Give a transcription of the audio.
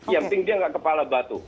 yang penting dia nggak kepala batu